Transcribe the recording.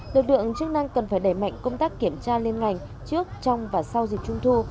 lực lượng chức năng cần phải đẩy mạnh công tác kiểm tra liên ngành trước trong và sau dịp trung thu